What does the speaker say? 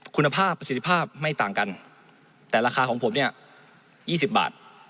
คุณภาพประสิทธิภาพไม่ต่างกันแต่ราคาของผมเนี่ย๒๐บาท